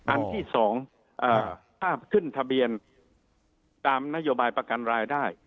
อันที่๒ถ้าขึ้นทะเบียนตามนโยบายประกันรายได้